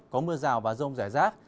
có mưa rào và rông rải rác